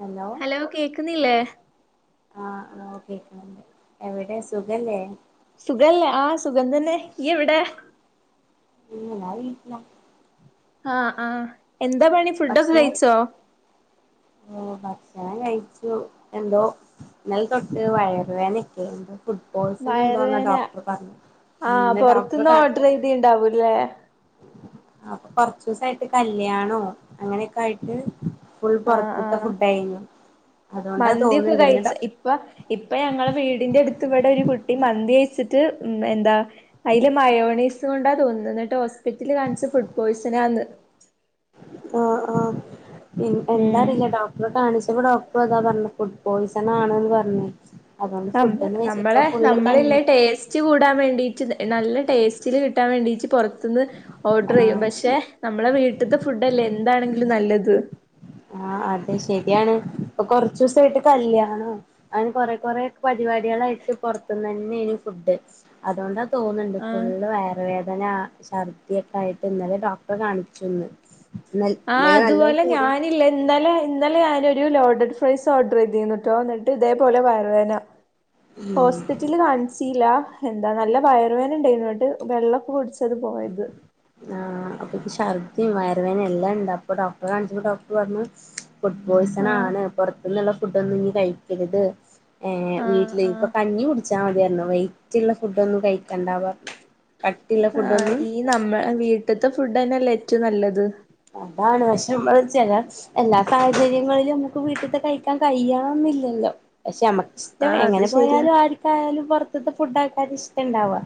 Hello ആഹ് ഓഹ് കേക്ണ്ണ്ട് എവിടെ സുഖല്ലേ? സുഖല്ലേ ആഹ് സുഖം തന്നെ. യ്യ് എവിടെ? ഉമ് ഞാൻ വീട്ടിലാ. ആഹ് ആഹ് എന്താ പണി ഫുഡൊക്കെ ഭക്ഷണം കഴിച്ചോ? ഞാൻ കഴിച്ചു എന്തോ ഇന്നലെ തൊട്ട് വയറുവേന ക്കേനി വയറുവേന ഉം ആഹ് ഇന്ന് പോർത്ത് ഡോക്ടറെ ന്ന് കാണി ഓട്ർ ചെയ്തിണ്ടാവൂ ല്ലേ? അപ്പൊ കൊറച്ചുസായിട്ട് കല്യാണോ അങ്ങനെയൊക്കെ ആയിട്ട് ഫുൾ ആഹ് പൊറത്ത്ത്തെ ആഹ് ഫുഡായിരുന്നു അതുകൊണ്ടാ മന്തിയൊക്കെ തോന്നുന്നുണ്ട് ഇന്ന് കഴിച്ച ഡോ ഇപ്പം ഇപ്പ ഞങ്ങള വീടിന്റെ എട് ത്ത് ഇവിടെ ഒരു കുട്ടി മന്തി അച്ചിട്ട് ഉമ് എന്താ അയ്ൽ മയോണീസ് കൊണ്ടാ തോന്ന്ണ് ന്നിട്ട് ഹോസ്പിറ്റല് കാണിച്ചിട്ട് ഫുഡ് പോയിസനാ ന്ന് ആഹ് ആഹ് ൻ ഉം എന്താറിയില്ല ഡോക്ടറെ കാണിച്ച് പ്പോ ഡോക്ടർ അതാ പറഞ്ഞ ഫുഡ് പോയ്സൺ ആണെന്ന് പറഞ്ഞു നമ് നമ്മളെ നമ്മളല്ല കഞ്ഞി ടേസ്റ്റ് കൂടാൻ വേണ്ടീട്ട് നല്ല ടേസ്റ്റില് കിട്ടാൻ വേണ്ടീ ഇച്ച് പോർ ത്ത്ന്ന് ഓട്ർ ചെയ്യും ആഹ് പക്ഷെ നമ്മളെ വീ വീട്ട് ത്തെ ഫുഡല്ലേ എന്താണെങ്കിലും നല്ലത് ആഹ് അതെ ശരിയാണ് ഇപ്പൊ കൊർച്ചുസായിട്ട് കല്യാണോ അന് കൊറെ കൊറെ പരിപാടികളായിട്ട് പോർത്ത്ന്ന് ന്നെനി ഫുഡ് അതുകൊണ്ട് തോന്ന്ണ്ട് ആഹ് ഫുള്ള് വയറുവേ ദനാ ഛർദ്ദിയൊക്കായിട്ട് ഇന്നലെ ഡോക്ടെ കാണിച്ചു ഇന്ന് ഇന്നൽ ആഹ് ഇന്നലെ നല്ല അതുപോലെ കൂടിയ ഞാനില്ലേ ഇന്നലെ ഇന്നലെ ഞാനൊരു ലോഡഡ് ഫ്രൈസ് ഓർഡറെയ്തിര്ന്നട്ടോ ഇന്ന്ട്ട് ഇതേപോലെ വയറുവേന ഹോസ്പിറ്റല് കാണ്ച്ചില്ലാ എന്താ നല്ല വയറുവേന ഇണ്ടായിനു ഇന്ന്ട്ട് വെള്ളൊക്കെ കുടിച്ചത് പോയത് ആഹ് അപ്പൊത് ശ ഛർദിം വയറുവേനിം എല്ലാ ഇണ്ട പ്പൊ ഡോക്ടറെ കാണിച്ചപ്പോ ഡോക്ടർ പറ്ഞ്ഞു ഫുഡ് ആഹ് പോയിസണാണ് പൊറത്ത്ന്ന്ള്ള ഫുഡൊന്നും ഇഞ്ഞ് കഴിക്കരുത് ഏഹ് ആഹ് വീട്ടിലെ ഇപ്പ ആഹ് കഞ്ഞിം കുട്ച്ച് റ്റാ മതിയല്ലൊ വെയി റ്റ്ള്ള ഫുഡൊന്നും കഴിക്കണ്ടാ പറ്ഞ്ഞ് കട്ടിള്ള ഫുഡൊന്നും ട്ട്ത്തെ ഫുഡെന്നല്ലേ ഏറ്റവും നല്ലത് അതാണ് പക്ഷെ മ്മള് ചെല എല്ലാ സാഹചര്യങ്ങള്ലും നമ്മക്ക് വീട്ട്ത്തെ കഴിക്കാ കയ്യാന്നില്ലല്ലോ പക്ഷേ അമ്മ ഇഷ്ടം ആഹ് അത് എങ്ങനെ ശരിയാ പോയാലും ആർക്കായാലും പൊറ് ഇവുടത്തെ ഫുഡ് ആൾക്കാർക്ക് ഇഷ്ടണ്ടാവാ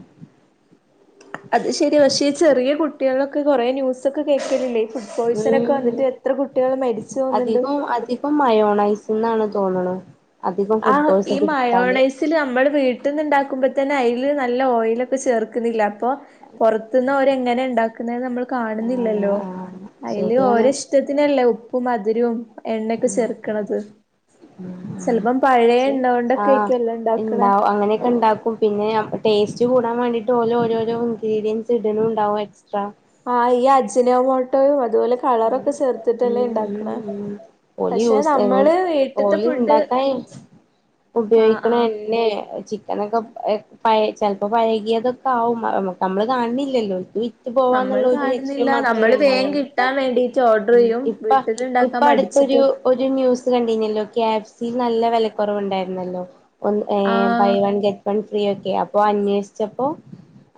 അത് ശെരി പക്ഷേ ഈ ചെറിയ കുട്ടികളൊക്കെ കൊറേ ന്യൂസൊക്കെ കേക്കണില്ലേ ഫുഡ് പോയ്സൺ ഒക്കെ ഉം വന്നിട്ട് എത്ര കുട്ടികള് മരിച്ചു പോവുന്നുണ്ട് ണൈസ്ന്നാണ് തോന്നണ ആ ഈ മയോണൈസില് നമ്മള് വീട്ടിൽന്നുണ്ടാക്കുമ്പ ത്തന്നെ അയിൽ നല്ല ഓയിലൊക്കെ ചേർക്കുന്നില്ലേ അപ്പോ പൊറത്ത്ന്ന് ഒരെ ങ്ങനെ ഉണ്ടാക്കുന്നെന്ന് നമ്മള് ആഹ് കാണുന്നില്ലല്ലോ. ആഹ് അതില് ശരിയാണ് ഓരെ ഇഷ്ടത്തിനല്ലേ ഉപ്പും മ ധുരോം എണ്ണേക്കെ ചെർക്കണത് ചെലപ്പം പഴേ ശരി എണ്ണ കൊണ്ടൊക്കെ ആഹ് ആയിക്കുല്ലേ ഇണ്ടാക്കണെ ഇണ്ടാവും അങ്ങനെയൊക്കെ ഇണ്ടാക്കും പിന്നെ ടേസ്റ്റ് കുടാൻ വേണ്ടിട്ട് ഓല് ഓരോരോ ഇൻഗ്രീഡിയൻസ് ഇടണുവുണ്ടാവും എക്സ്ട്രാ ആ ഈ അജിനാമോട്ടോയും ഓല് പക്ഷെ യൂസ് ചെയ്യൂല നമ്മള് വീട്ടിത്തെ ഓല് ഫുഡ് ഉണ്ടാക്കാൻ ആ ഉപയോഗിക്കണ ആ എണ്ണെ ചിക്കനൊക്കെ എ പഴേ ചെലപ്പോ പഴകിയതൊക്കെ ആവും നമ്മള് കാണണില്ലല്ലോ വി നമ്മള് കാണുന്നില്ല നമ്മള് വേഗം ഇണ്ടാവുള്ളൂ കിട്ടാൻ വേണ്ടി ഉം ഇപ്പ ഇപ്പ അടുത്തൊരു മടിച്ചിട്ട് ഒരു ന്യൂസ് കണ്ടിനല്ലോ ക്യാപ്സ് നല്ല വിലക്കുറവ് ഉണ്ടായിരുന്നല്ലോ ഒ ഏ ബൈ ആഹ് one get one free okay അപ്പോ അന്വേഷിച്ചപ്പോ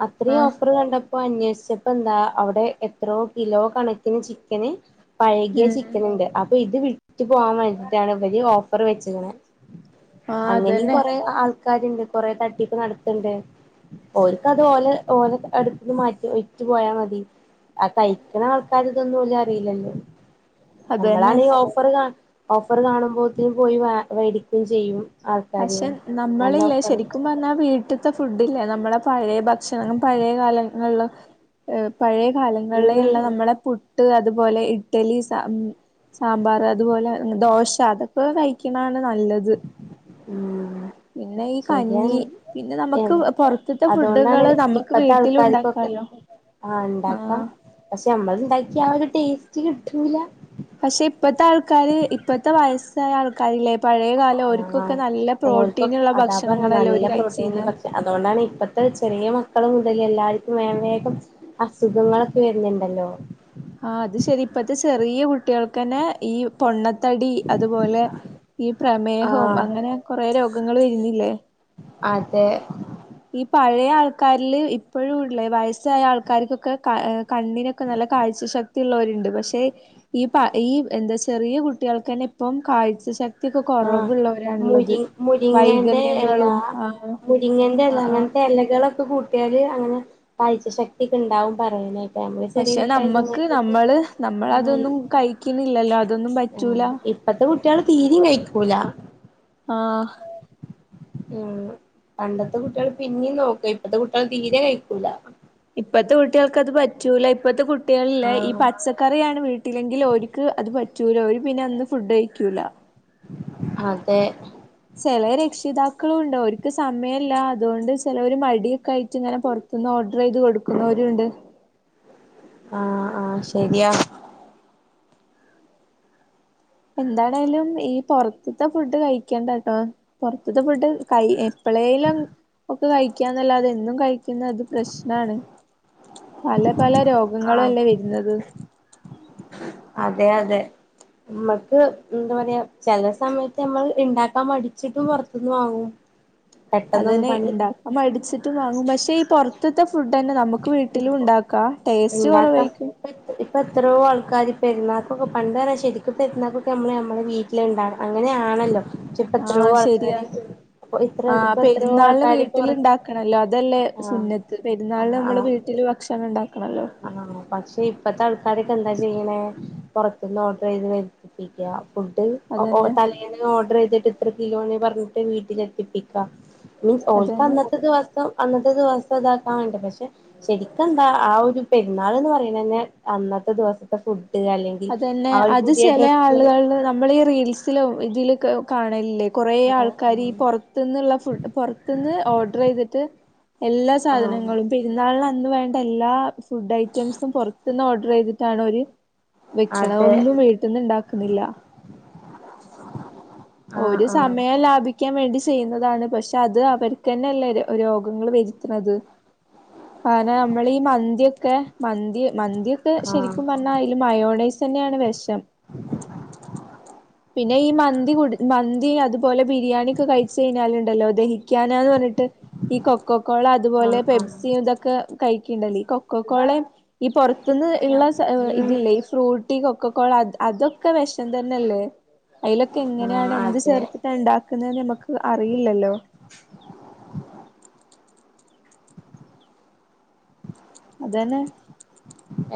അത്രയും ആഹ് ഓഫർ കണ്ടപ്പോ [unintelligible] ചിപ്പ എന്താ അവിടെ എത്രോ കിലോ കണക്കിന് [unintelligible] പഴകിയ ഉം ചിക്കൻ ഉണ്ട് അപ്പൊ ഇത് വിറ്റ് പോവാൻ വേണ്ടിട്ടാണ് ഇവര് ഓഫ് കറി വെച്ച്ക്ക്ണ് ആഹ് അങ്ങനിം അതന്നെ കൊറെ ആൾ കരണ്ട് കുറെ തട്ടി നടത്തണ്ടേ ഓൽക്ക് അത് ഓലെ ഓല് അടുന്ന് മാറ്റി വിറ്റു പോയാൽ മതി ആ കഴിക്കണ ആൾക്കാര് ഇതൊന്നുമല്ല. ശീലണ്ട് അതന്നെ നമ്മളാണ് ഈ ഓഫർ കാ ഓഫർ കാണുമ്പോത്തിനന് പോയി വാ വേടിക്കയും ചെയ്യും ആൾക്കാര് പക്ഷെ നല്ല നമ്മളില്ലേ ഓഫറ് ശരിക്കും പറഞ്ഞാ വീട്ട്ത്തെ ഫുഡ്ല്ലേ നമ്മളെ പഴയ ഭക്ഷണം പഴയ കാലങ്ങളില് ഏഹ് പഴയ കാലങ്ങളിലെ ഉം യ്ള്ള നമ്മളെ പു ട്ട് അതുപോലെ ഇഡ്ഡലി സാം സാമ്പാറ് അതുപോലെ ദോശ അതൊക്കെ കഴിക്ക്ണാണ് നല്ലത്. ഉം പിന്നെ ഈ കഞ്ഞി ശരിയാണ് പിന്നെ നമുക്ക് ഏഹ് പൊറത്തുത്തെ അതോണ്ടാണ് ഫുഡുകള് നമ്മുക്ക് ഇപ്പത്തെ വീട്ടിലു ആൾക്കാർക്കൊക്കെ ഉണ്ടാക്കാലോ ആഹ് ണ്ടാക്കിയാ ആ ഒരു ടേസ്റ്റ് കിട്ടൂല. പക്ഷെ ഇപ്പത്തെ ആൾക്കാര് ഇപ്പത്തെ വയസ്സായ ആൾക്കാരില്ലേ. പഴയ കാലം ആഹ് ഓര്ക്കൊക്കെ നല്ല ഓൽക്കൊക് പ്രോട്ടീനുള്ള അതാ പറ്ണെ ഭക്ഷണങ്ങളല്ലേ ഓര് നല്ല പ്രോട്ടീന്ള്ള കഴിച്ചീന്നെ ഭക്ഷ അതുകൊണ്ടാണ് ഇപ്പത്തെ ചെറിയ മ ക്കള് മുതൽ എല്ലാർക്കും വേം വേഗം അസുഖങ്ങളൊക്കെ വര്ന്ണ്ടല്ലോ. ആഹ് അത് ശെരി ഇപ്പത്തെ ചെറിയ കുട്ടികൾക്ക്ന്നെ ഈ പൊണ്ണ തടി അതുപോലെ ഈ പ്രമേഹവും ആഹ് അങ്ങനെ കൊറേ രോഗ ഗങ്ങൾ വര്ന്നില്ലേ. അതെ. ഈ പഴയ ആൾക്കാരില് ഇപ്പഴുംള്ളേ വയസ്സായ ആൾക്കാർക്കൊക്കെ ക ഏഹ് കണ്ണിനൊക്കെ നല്ല കാഴ്ച ശ ക്തി ഉള്ളോര്ണ്ട്. പക്ഷെ ഈ പ ഈ എന്താ ചെറിയ കുട്ടികൾക്കന്നെ ഇപ്പം കാഴ്ച ശ ക്‌തി യൊക്കെ ആഹ് കൊറവുള്ളവരാണുള്ളത്. മുരി മുരിങ്ങന്റെ വൈകല്യങ്ങളും ആഹ് ൻ്റെല്ലാ ആഹ് ആഹ് അങ്ങൻത്തെ എലകളൊ ഒക്കെ കൂട്ടിയാല് അങ്ങനെ കാഴ്ച്ച ശക്തി ക്കെണ്ടാവും പറിണേക്ക പക്ഷേ നമ്മക്ക് നമ്മള് നമ്മൾ അതൊന്നും കഴിക്കുന്നില്ലല്ലോ ആ ഇപ്പത്തെ കുട്ട്യള് തീരിം കഴി ക്കൂല ആഹ് ഉം പണ്ടത്തെ കുട്ട്യള് പിന്നിം നോക്കുയ് ഇപ്പത്തെ കുട്ട്യള് തീരെ കഴിക്കൂല ഇപ്പത്തെ കുട്ട്യാൾക്കത് പറ്റൂല ഇപ്പത്തെ കു കുട്ട്യള്ലെ ഈ ആഹ് പച്ചക്കറിയാണ് വീട്ടിലെങ്കിൽ ഓൽക്ക് അത് പ പറ്റൂല ഓര് പിന്നെ അന്ന് ഫുഡ് കഴിക്കൂല അതെ ചെലേ രക്ഷിതാക്കളും ഉണ്ട് ഓര്ക്ക് സമയല്ലാ അതുകൊണ്ട് ചെലര് മടിയൊക്കെ ആയിറ്റ്ങ്ങനെ പൊർത്ത്ന്ന് ഓർ ഡ്രയ്ത് കൊടുക്കുന്നോരുണ്ട് ആ ആ ശരിയാ എന്താണേലും ഈ പൊറ്ത്ത്ത്തെ ഫുഡ് കഴിക്കണ്ടാട്ടോ പൊറ്ത്ത്ത്തെ ഫുഡ് കൈ എപ്പളേലും ഒക്കെ കഴിക്കാന്നല്ലാതെ എന്നും കഴി കഴിക്കുന്നത് പ്രശ്നാണ് പല പല ആഹ് രോഗങ്ങളല്ലേ വരുന്നത് അതെ അതെ നമ്മക്ക് എന്താ പറയാ ചില സമയത്ത് നമ്മൾ ഉണ്ടാക്കാൻ മടിച്ചിട്ടും പുറത്തുന്ന് വാങ്ങും. പെട്ടെന്നൊന്ന് അതന്നെ പണി ഇണ്ടാക്കാൻ മടിച്ചിട്ട് വാങ്ങും പക്ഷേ ഈ പുറ ത്തുത്തെ ഫു ഫുഡ് തന്നെ നമുക്ക് വീട്ടിലും ഇപ്പൊ ഉണ്ടാക്കാം ടേസ്റ്റ് കുറവായിരിക്കും. ഇപ്പോൾ എത്രോ ആൾക്കാര് പെരുന്നാൾക്കൊക്കെ പണ്ട് തരാൻ ശരിക്കും പെരുന്നാൾക്കൊക്കെ നമ്മൾ നമ്മുടെ വീട്ടിലുണ്ടാണ് അങ്ങനെയാണല്ലോ? പക്ഷെ ഇപ്പ എത്രയോ ആഹ് ശരിയാ ആൾക്കാര് അപ്പൊ ഇത്ര ആഹ് ഇപ്പ എത്രയോ പെരുന്നാളിന് ആൾക്കാര് വീട്ടിൽ പൊറ ഉണ്ടാക്കണല്ലോ അതല്ലേ ആഹ് സുന്നത്ത് പെരുന്നാ ന്നാളിന് ആഹ് നമ്മള് ആഹ് വീട്ടില് ഭക്ഷണം ഉണ്ടാ ആഹ് പക്ഷേ ഇപ്പത്തെ ആൾക്കാരൊക്കെ എന്താ ചെയ്യണേ പുറത്തുന്ന് ഓർഡർ ചെയ്ത് വരുത്തിപ്പിക്കാ. ഫുഡ് ഓ അതന്നെ തലേന്ന് ഓർഡർ ചെയ്തിട്ട് ഇത്ര കിലോന്ന് പറഞ്ഞിട്ട് വീട്ടിലെത്തിപ്പിക്കും. മീൻസ് ഓൾക്ക് അതന്നെ അന്നത്തെ ദിവസം അന്നത്തെ ദിവസം ഇതാക്കാൻ വേണ്ടി പ ക്ഷേ ശെരിക്കാ ആ ഒരു പെരുന്നാൾ എന്ന് പറയണതന്നെ അന്നത്തെ ദിവസത്തെ ഫു അതെന്നെ അത് ചെലേ ആളുകള് നമ്മളീ റീൽസിലും ഇതിലും ക്കെ കാണല്ലേ കുറെ ആഹ് ആൾക്കാര് ഈ പൊർത്ത്ന്ന്ള്ള ഫുഡ് പൊർത്ത്ന്ന് ഓഡ്ർ ചെയ്ത്ട്ട് എല്ലാ ആഹ് ആഹ് സാധനങ്ങളും പെരുന്നാളിന് ന്ന് വേണ്ട എല്ലാ ഫുഡ് ഐറ്റംസും പൊർത്ത്ന്ന് ഓ ഡ്ർ ചെയ്തിട്ടാണോല് വിക്ക്ണത് അതെ ഒന്നും വീട്ട്ന്ന് ണ്ടാക്ക്ന്നില്ല ആഹ് ഓര് ആഹ് സമയം ലാഭിക്ക ക്കാൻ വേണ്ടി ചെയുന്നതാണ് പക്ഷെ അത് അവർക്കെന്നല്ലേ രോഗങ്ങള് വെര്ത്തണത് കാരണം നമ്മളീ മന്തിയൊക്കെ മന്തി മന്തിക്കെ ആഹ് ശെരിക്കും പറഞ്ഞാ അയില് മയോണൈസെന്നാണ് വെഷം പിന്നെ ഈ മ [unintelligible] മന്തി അതുപോലെ ബിരിയാണി ഒക്കെ കഴിച്ച് കയ്ഞ്ഞാല്ണ്ടല്ലോ ദഹിക്കാനാന്ന് പറഞ് ട്ട് ഈ കൊക്കോകോള അത്പോലെ ആഹ് ആഹ് പെപ്സി ഇതൊക്കെ ക ക്കിനെങ്കി ഈ കൊക്കകോളേം ഈ പൊർ ത്ത്ന്ന് ള്ള സ ഉം ഇതില്ലേ ഈ ഫ്രൂട്ട് ട്ടി കൊക്കകോള അതൊക്കെ വെഷം തെന്നല്ലേ അയ്ലൊക്കെ എങ്ങന ആഹ് എന്ത് അതെ ചേർത്തിട്ടാ ഇണ്ടാക്കുന്നെന്ന് ഞമ്മക്ക് അറില്ലല്ലോ അതന്നെ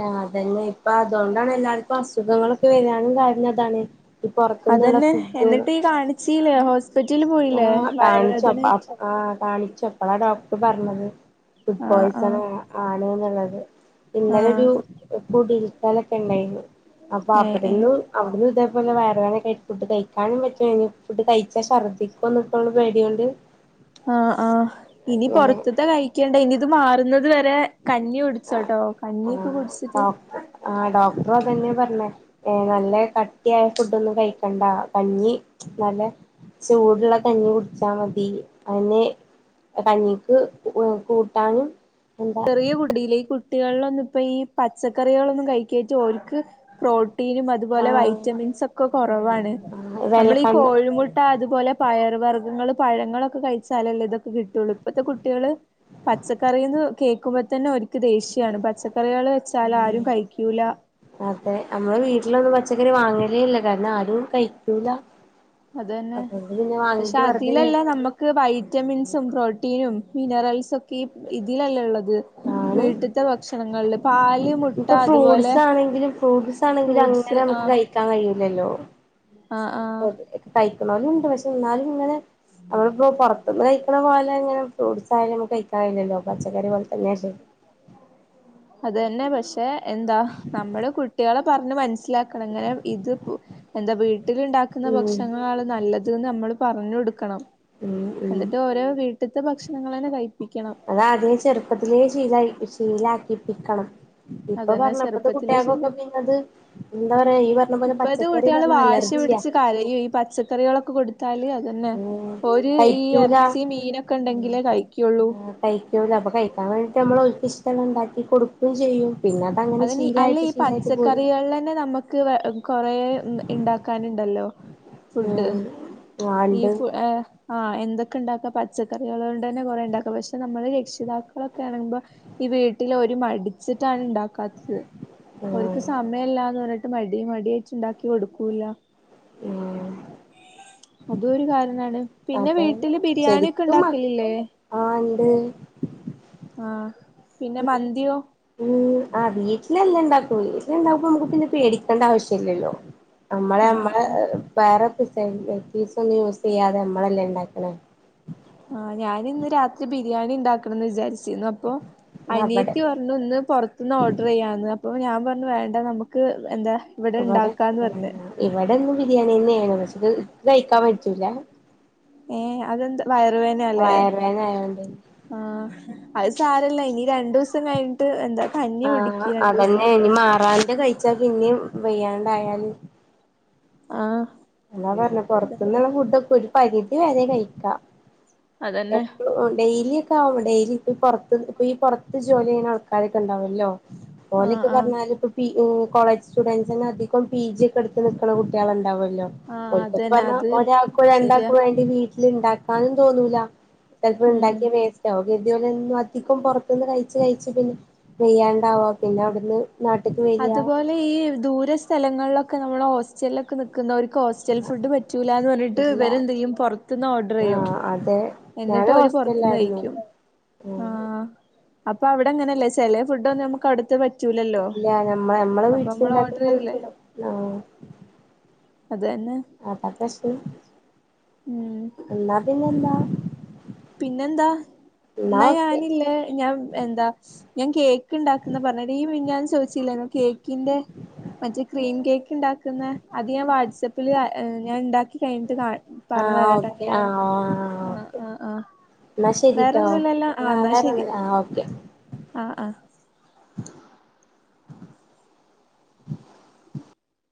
ആ അതന്നെ ഇപ്പ അതുകൊണ്ടാണ് എല്ലാർക്കും അസുഖങ്ങളൊക്കെ വരാനും കാരണം അതാണ് ഈ പൊറത്തുന്നുള്ള അതന്നെ എന്നിട്ട് ഈ കാണിച്ചി ല്ലേ ഹോസ് ആ കാണിച്ചപ്പ ആഹ് കാണിച്ചപ്പളാ ഡോ ടർ പറഞ്ഞത് ഫുഡ് ആഹ് പോയ്സൺ ആഹ് ആണ് ആ ണ്ന്ന്ള്ളത് ആഹ് ഇന്നലൊരു ഏഹ് [unintelligible] കാലൊക്കെ ഇണ്ടായിന്നു അപ്പോ ഏഹ് ഏഹ് അവിട്ന്നു അവിട്ന്നു ഇതേപോലെ വേയറ് വേദനൊക്കെ ആയി ഫുഡ് കഴിക്കാനും പറ്റ്ണില്ല ഫുഡ് കഴിച്ചാ ശർദ്ദി [unintelligible] പേടികൊണ്ട് ആഹ് ആഹ് ഇനി അങ്ങനെ പൊറത്തത്തെ കഴിക്കണ്ട ഇനി ഇത് മാറുന്ന ത് വരെ കഞ്ഞി കുടിച്ചോട്ടോ കഞ്ഞിക്കെ ആഹ് കുടിച്ചിട്ട് ണെ ഏഹ് നല്ലെ ക ട്ട്യായ ഫുഡ് ഒന്നും കഴിക്കണ്ടാ കഞ്ഞി നല്ല ചൂട്ള്ള കഞ്ഞി കുടിച്ചാ മതി അയന്നെ കഞ്ഞിക്ക് കൂട്ടാനും എന്താ ചെറിയ കുടിയിലേ ഈ കു ട്ടികളിലൊന്നും ഇപ്പം ഈ പച്ചക്കറികളൊന്നും കഴിക്കേയ്റ്റ് ഓൽക്ക് പ്രോ ട്ടീനും അത് പോലെ ആഹ് വൈറ്റമിൻസ് ഒക്കെ കൊറവാണ്. ആഹ് നമ്മള് ഈ വെള്ളക്കണ്ണ് കോഴിമുട്ട അത്പോലെ പയർ വർഗ്ഗങ്ങൾ പഴങ്ങളൊക്കെ കഴിച്ചാലല്ലേ ഇതൊക്കെ കിട്ടൊള്ളൂ ഇപ്പത്തെ കുട്ടികള് പച്ചക്കറീന്ന് കേൾക്കുമ്പോ തന്നെ ഓര്ക്ക് ദേഷ്യ ക്ക്യാണ്. പച്ചക്കറികള് വെച്ചാൽ ഉം ആരും കഴിക്കൂല. ക്കറി വാങ്ങലേ ഇല്ല കാരണം ആരും കയിക്കൂല. അതന്നെ പക്ഷെ അതിലല്ല വേസ്റ്റ് നമ്മക്ക് വൈറ്റമിൻ സും പ്രോട്ടീനും മിനറൽസൊക്കെ ഇതിലല്ലെള്ള ആണ്. പാല് മുട്ട ഇപ്പൊ അതുപോലെ ഫ്രൂട്ട്സ് ആണെങ്കിലും ഫ്രൂട്ട്സ് ആണെങ്കിലും ഫ്രൂട്ട്സ് അങ്ങനെ നമുക്ക് ആഹ് കയിക്കാൻ കഴിയില്ലല്ലോ. ആഹ് ആഹ് [unintelligible] എന്നാലും ഉണ്ട് പക്ഷെ എന്നാലും നിങ്ങളെ അവളിപ്പോ പൊറത്തിന്ന് ക [unintelligible] ഇങ്ങനെ ഫ്രൂട്ട്സ് ആയാലും കഴിക്കാ [unintelligible] പച്ചക്കറി പോലെ തന്നെ അല്ലേ അത് തന്നെ പക്ഷെ എന്താ നമ്മള് കുട്ടികളെ പറഞ്ഞു മനസ്സിലാക്കണം ഇങ്ങനെ ഇത് പു എന്താ വീ വീട്ടിലുണ്ടാക്കുന്ന ഉം ഭക്ഷണങ്ങളാണ് നല്ലത് ന്ന് ഞമ്മള് പറഞ്ഞോടുക്കണം ഉം ഉം എന്നിട്ട് ഓരോ വീ ത്തെ ഭക്ഷണങ്ങളന്നെ കയി അതാദ്യമേ ചെറുപ്പത്തിലേ ശീലായി [unintelligible] ശീലാക്കിപ്പിക്കണം ഇപ്പൊ അതന്നെ പറഞ്ഞപ്പത്തെ ചെറുപ്പത്തിലെ കുട്ടികൾക്കൊക്കെ ശീലം പിന്നെത് എന്താണ് ഈ പറഞ്ഞപോലെ പറഞ്ഞപ്പോലെ ഇപ്പഴത്തെ പച്ചക്കറിന്ന് കുട്ടികള് പറഞ്ഞ വാശി അലർജിയാ പിടിച്ച് കരയും ഈ പച്ചക്കറികളൊക്കെ കൊടുത്താല് അത് തന്നെ കയിക്കൂല ഉം ഇണ്ടെങ്കിലേ കഴിക്കുള്ളൂ ഉം കയിക്കൂല അപ്പൊ കയിക്കാൻ വേണ്ടി നമ്മളോൽക്കിഷ്ടം കോണ്ട് ഒണ്ടാക്കി കൊടുക്കേം ചെയ്യും പിന്നെ അതങ്ങനെ അതിന് അല്ല ശീലായിട്ട് ഈ ശീലായിട്ട് പോരും പച്ചക്കറികളിലന്നെ നമുക്ക് കൊറേ ഇണ്ടാക്കാനുണ്ടല്ലോ ഉം ആണ്ട് ഈശു ഏ ആ എന്തൊക്കെ ഉണ്ടാക്കാ പച്ചക്കറികള് കൊണ്ട് തന്നെ കൊറെ ഉണ്ടാക്കാം പക്ഷെ നമ്മള് രക്ഷിതാക്കളൊക്കെ ആണമ്പോ ഈ വീട്ടില് ഒരു മടിച്ചിട്ടാണ് ഉണ്ടാക്കാത്തത് ഉം ഒരിക്ക് സമയം ഇല്ലാന്ന് പറ മടി മടി വച്ച് ഉണ്ടാക്കി കൊടുക്കൂല്ല ഉം ഇതും ഒരു കാരണാ ണ് പിന്നെ അതെ വീട്ടില് ബിരിയാണീക്കെ ശരിക്കും മ ഉണ്ടാക്കലില്ലേ ആഹ് ഇണ്ട് ആ പിന്നെ മന്തിയോ [unintelligible] ഉണ്ടാക്കൂള്ളൂ [unintelligible] പിന്നെ പേടിക്കണ്ട ആവശ്യ ഇല്ലല്ലോ നമ്മളെ ആഹ് നമ്മള്‌ ആഹ് വേറെ [unintelligible] മ്മളല്ലെ ഇണ്ടാക്കണെ ആഹ് ഞാനിന്ന് രാത്രി ബീ രിയാണി ഇണ്ടാക്കണന്ന് വിചാരിച്ച് ചെന്നപ്പൊ അവടെ അനിയത്തി പറഞ്ഞു ഒന്ന് പൊറത്തീന്ന് ഓർഡറ് ചെയ്യാന്ന് അ അപ്പൊ ഞാൻ പറഞ്ഞു വേണ്ട നമുക്ക് എന്താ ഇവിടെ ഇണ്ടാക്കാന്ന് പറഞ്ഞ് [unintelligible] ഇവിടൊന്നും ബിരിയാണിയെന്നേണ്. പക്ഷേത് ഇക്ക് കഴിക്കാൻ പറ്റൂല. ഏ അതെന്താ വയറുവേനല്ലേ വയറുവേദന ആയോണ്ട് ആ അത് സാരല്ല ഇനി രണ്ടൂസം കഴിഞ്ഞിട്ട് എന്താ കഞ്ഞി ആഹ് കുടിക്ക് അതന്നെ രണ്ടൂസം ഇനി മാറാൻ ഇത് കഴിച്ചാ പിന്നിം വെയ്യാണ്ടായാല് ആഹ് എന്നാ പറഞ്ഞ പൊറത്ത്ന്നുള്ള ഫുഡ് ഒക്കെ ഒരു പരിതി വരെ കഴിക്കാ അതന്നെ എപ്പഴും ഉം ഡെയ്‌ലി പ്പാവും ഡെയിലി ഇപ്പയീ പൊറത്ത് ഇപ്പൊ ഈ പൊറത്ത് ജോലി ചെയ്യുന്ന ആൾക്കാരൊക്കെണ്ടാവൊല്ലോ ആഹ് ഓലക്കെ ആഹ് പറഞ്ഞാല് ഇപ്പൊ പി ഓ കോളേജ് സ്റ്റുഡൻറ്സന്നെ അധികം പി ജി ഒക്കെ എടുത്ത് നിക്കണ കുട്ടികളുണ്ടാവൊ ല്ലോ ആഹ് ഓൽക്കൊക്കെ അതന്നെ പറഞ്ഞ അത് ഒരാൾക്കോ ശരിയാ രണ്ടാൾക്കോ വേ ട്ടില് ഇണ്ടാക്കാനും തോന്നൂല ചെൽപ്പം ഉം ഉണ്ടാക്കിയാ വേസ്റ്റാവും [unintelligible] എന്നും അധികും പൊറത്തുന്ന് കഴിച്ച് കഴിച്ച് പിന്നെ വെയ്യാണ്ടാവാ പിന്നെ അവിടുന്ന് നാട്ട്ക്ക് വരിക അതുപോലെ ഈ ദൂര സ്ഥലങ്ങളിലൊ ക്കെ നമ്മളെ ഹോസ്റ്റലിലൊക്കെ നിക്കുന്നോര് ക്ക് ഹോസ്റ്റൽ ഫുഡ് പറ്റൂലാന്ന് പറഞ്ഞിട്ട് ഇല്ല ഇവരെന്തെയ്യും പൊറത്തു നിന്ന് ഓർഡറെയ്യും. ആഹ് അതെ എന്നിട്ട് ഞാന് ഓര് പൊറത്തിന്ന് ഹോസ്റ്റലിലായിരുന്നു കയിക്കും ഉം ആഹ് അപ്പോ അവിടെ എങ്ങനെ ല ചെല ഫുഡൊന്നും നമുക്ക് അടുത്ത് പറ്റൂലല്ലോ ഇല്ല ഞമ്മ ഞമ്മളെ അപ്പോ നമ്മള് ഓർഡർ ചെയൂലേ? വീട്ടിലുണ്ടാക്കുന്ന ആഹ് [unintelligible] എന്നാ പിന്നെന്താ? പിന്നെ എന്താ എന്നാ ഞാനില്ലേ ഞാൻ എന്താ ഞാൻ കേ ക്കിണ്ടാക്കുന്ന പറഞ്ഞെടി ഈ മിനിഞ്ഞാന്ന് ചോയ്ച്ചില്ലെന്നോ കേക്കിന്റെ മറ്റേ ക്രീം കേക്ക് ഉണ്ടാകുന്ന അത് ഞാൻ വാട്സപ്പിൽ ഏഹ് ഞാൻ ഉണ്ടാക്കി കഴിഞ്ഞിട്ട് കാ പറഞ്ഞ് ആഹ് തരാട്ടോ ഓക്കെ എങ്ങനെയാ ആഹ് ആഹ് ഓക്കെ. ആഹ് ആഹ് എന്നാ ശെരിട്ടോ വേറൊന്നുല്ലല്ലോ ആഹ് വേറൊന്നില്ല ആഹ് ഓക്കെ. ആ ആ [inaudible]